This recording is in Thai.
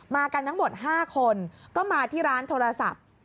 กันทั้งหมด๕คนก็มาที่ร้านโทรศัพท์